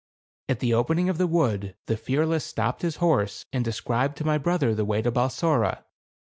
At the opening of the wood, the Fearless stopped his horse, and described to my brother the way to Balsora.